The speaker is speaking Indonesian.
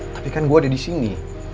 tapi kan gue ada disini